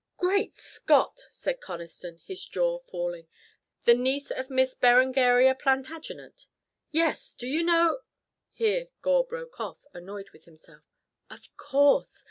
"Great Scott!" said Conniston, his jaw falling. "The niece of Miss Berengaria Plantagenet?" "Yes! Do you know ?" Here Gore broke off, annoyed with himself. "Of course.